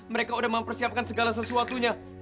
mereka sudah mempersiapkan segala sesuatunya